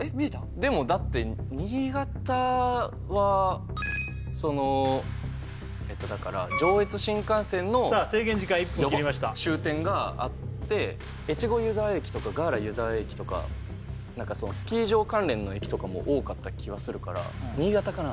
でもだって新潟はそのえっとだから上越新幹線のさあ制限時間１分切りました終点があって越後湯沢駅とかガーラ湯沢駅とかスキー場関連の駅とかも多かった気はするから新潟かな？